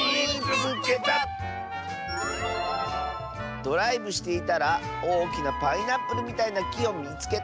「ドライブしていたらおおきなパイナップルみたいなきをみつけた！」。